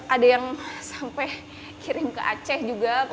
ada yang sampai kirim ke aceh juga